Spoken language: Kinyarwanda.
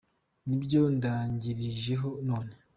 Ni ibyo ndangirijeho none